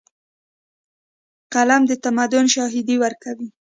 قلم د تمدن شاهدي ورکوي.